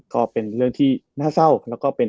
ก็เป็นเรื่องที่น่าเศร้าแล้วก็เป็น